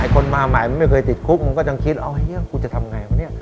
คนมาใหม่มันไม่เคยติดคุกมันก็ยังคิดเอาอย่างนี้กูจะทำไงวะเนี่ย